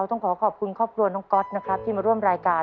ต้องขอขอบคุณครอบครัวน้องก๊อตนะครับที่มาร่วมรายการ